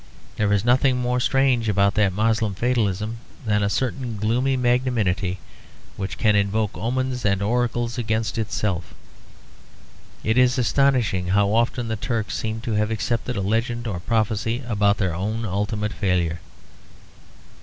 There is nothing more strange about that Moslem fatalism than a certain gloomy magnanimity which can invoke omens and oracles against itself. It is astonishing how often the Turks seem to have accepted a legend or prophecy about their own ultimate failure.